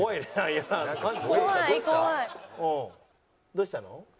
どうしたの？